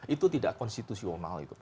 itu tidak konstitusional